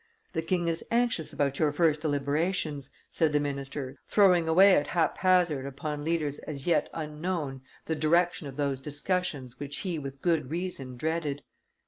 "The king is anxious about your first deliberations," said the minister, throwing away at haphazard upon leaders as yet unknown the direction of those discussions which he with good reason dreaded.